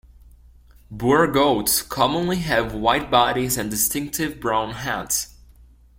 Boer goats commonly have white bodies and distinctive brown heads.